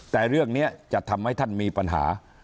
แต่เรื่องนี้จะทำให้ท่านมีปัญหา